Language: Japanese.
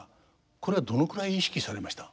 これはどのくらい意識されました？